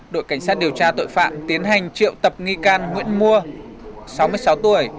đội cảnh sát điều tra tội phạm tiến hành triệu tập nghi can nguyễn mua sáu mươi sáu tuổi